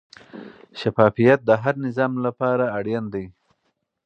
شفافیت د هر نظام لپاره اړین دی.